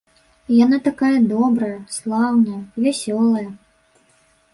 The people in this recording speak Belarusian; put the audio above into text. Яна такая добрая, слаўная, вясёлая!